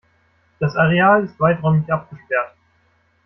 Das Areal ist weiträumig abgesperrt.